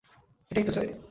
এটাই তো চাই!